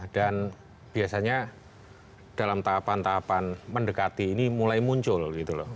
dan biasanya dalam tahapan tahapan mendekati ini mulai muncul gitu loh